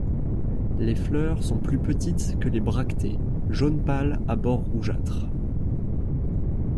Les fleurs sont plus petites que les bractées, jaune pâle à bord rougeâtre.